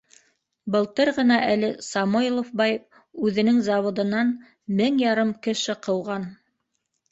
Былтыр ғына әле Самойлов бай үҙенең заводынан мең ярым кеше ҡыуған.